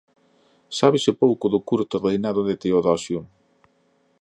Sábese pouco do curto reinado de Teodosio.